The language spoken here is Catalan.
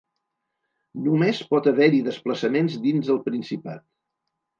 Només pot haver-hi desplaçaments dins el Principat.